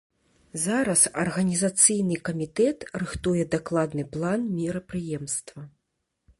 Зараз арганізацыйны камітэт рыхтуе дакладны план мерапрыемства.